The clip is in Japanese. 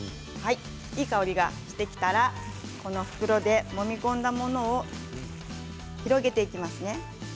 いい香りがしてきたらこの袋でもみ込んだものを広げていきますね。